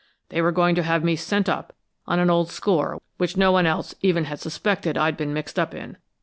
They were going to have me sent up on an old score which no one else even had suspected I'd been mixed up in.